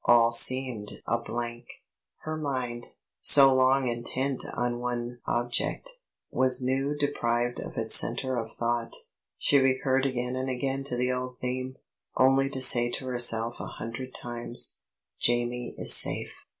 All seemed a blank. Her mind, so long intent on one object, was new deprived of its centre of thought. She recurred again and again to the old theme, only to say to herself a hundred times, "Jamie is safe."